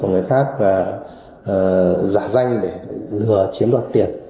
còn người khác là giả danh để lừa chiếm đoạt tiền